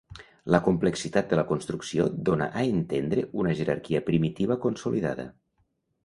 La complexitat de la construcció dóna a entendre una jerarquia primitiva consolidada.